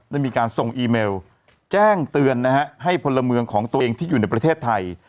ได้มีการส่งอีเมลแจ้งเตือนนะฮะให้พลเมืองของตัวเองที่อยู่ในประเทศไทย